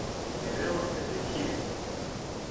مدہیرے اٹھ کے دیکھے